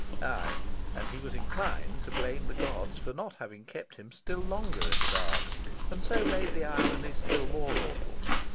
Aye, and he was inclined to blame the gods for not having kept him still longer in the dark and so made the irony still more awful.